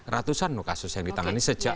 ratusan loh kasus yang ditangani